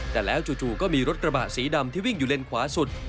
แต่แล้วจู่ก็มีรถกระบะสีดำที่วิ่งอยู่เลนขวาสุด